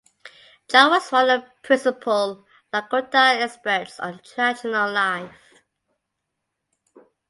Jaw was one of the principal Lakota experts on traditional life.